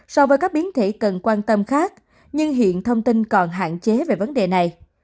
so với các biến thể cần quan tâm khác nhưng hiện thông tin còn hạn chế về vấn đề này